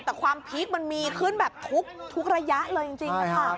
แต่ความพีคมันมีขึ้นแบบทุกระยะเลยจริงค่ะ